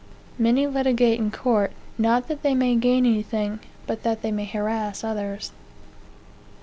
(Many litigate in court, not that they may gain anything, but that they may harass others.)